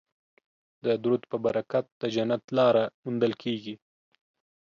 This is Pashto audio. د درود په برکت د جنت لاره موندل کیږي